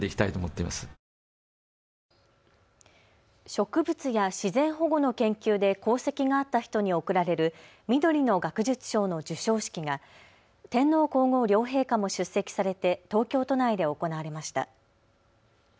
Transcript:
植物や自然保護の研究で功績があった人に贈られるみどりの学術賞の授賞式が天皇皇后両陛下も出席されて東京都内で行われました。